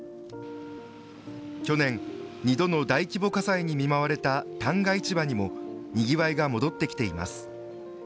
去年、２度の大規模火災に見舞われた旦過市場にもにぎわいが戻ってきています。